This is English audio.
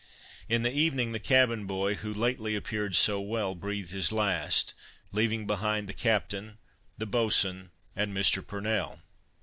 In the evening the cabin boy, who lately appeared so well, breathed his last, leaving behind, the captain, the boatswain and Mr. Purnell.